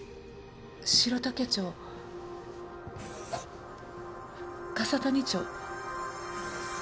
「城竹町」「笠谷町」